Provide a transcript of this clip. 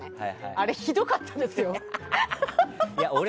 あれ、ひどかったですよ。